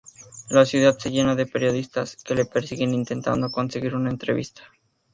La ciudad se llena de periodistas, que le persiguen intentando conseguir una entrevista.